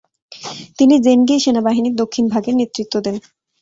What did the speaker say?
তিনি জেনগি সেনাবাহিনীর দক্ষিণভাগের নেতৃত্ব দেন।